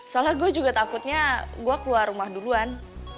soalnya gue juga takutnya gue keluar rumah duluan